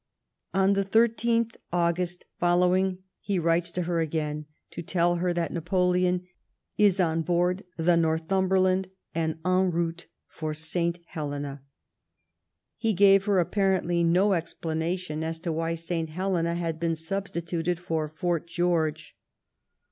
On the 13th August following he writes to her again, to tell her that Napoleon " is on board the Northumberland, and en route for St. Helena." He gave her, apparently, no explana tion as to why St. Helena had been substituted for Fort George.